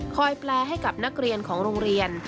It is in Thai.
แปลให้กับนักเรียนของโรงเรียน